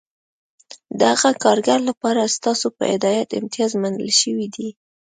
د هغه کارګر لپاره ستاسو په هدایت امتیاز منل شوی دی